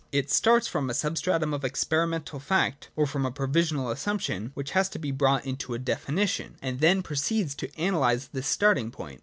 It starts from a substratum of ex periential fact, or from a provisional assumption which has been brought into a definition ; and then proceeds to analyse this starting point.